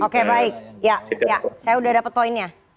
oke baik ya saya sudah dapat poinnya